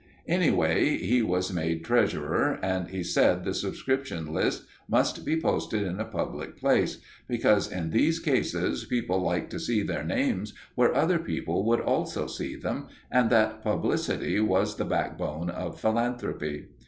Anyway, he was made treasurer, and he said the subscription lists must be posted in a public place, because in these cases people liked to see their names where other people would also see them, and that publicity was the backbone of philanthropy.